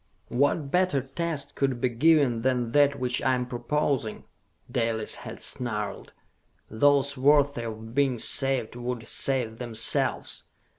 "What better test could be given than that which I am proposing?" Dalis had snarled. "Those worthy of being saved would save themselves!